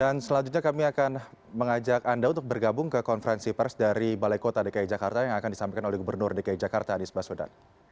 dan selanjutnya kami akan mengajak anda untuk bergabung ke konferensi pers dari balai kota dki jakarta yang akan disampaikan oleh gubernur dki jakarta anies basudan